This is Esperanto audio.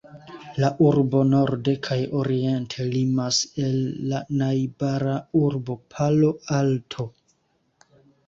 La urbo norde kaj oriente limas al la najbara urbo Palo Alto.